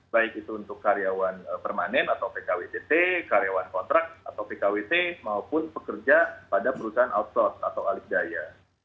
baik itu untuk karyawan permanen atau pkwdtt karyawan kontrak atau pkwt maupun pekerja pada perusahaan outsource atau alih daya